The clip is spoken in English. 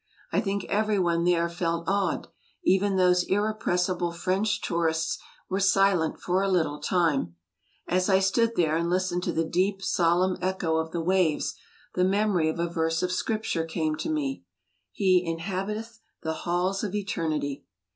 I think every one there felt awed; even those irrepressible French tourists were silent for a little time. As I s»x>d there and listened to the deep, solemn echo of the waves the memory of a verse of Scripture came to me "He inhabiteth the halls of eternity."